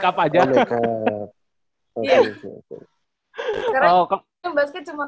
karena kita yang basket cuma